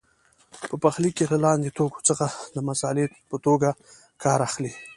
په پخلي کې له لاندې توکو څخه د مسالې په توګه کار اخلي.